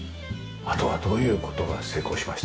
あとはどういう事が成功しました？